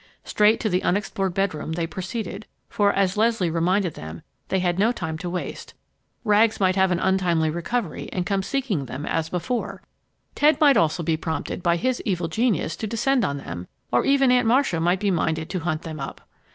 Straight to the unexplored bedroom they proceeded, for, as Leslie reminded them, they had no time to waste; Rags might have an untimely recovery and come seeking them as before! Ted also might be prompted by his evil genius to descend on them; or even Aunt Marcia might be minded to hunt them up.